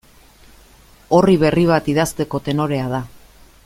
Orri berri bat idazteko tenorea da.